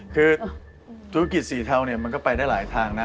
คือธุรกิจสีเทาเนี่ยมันก็ไปได้หลายทางนะ